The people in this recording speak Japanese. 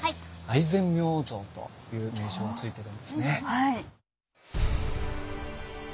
「愛染明王像」という名称がついてるんですね。